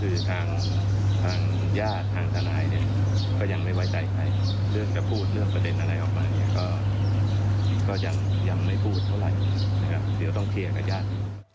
เดี๋ยวต้องเคลียร์กับญาติ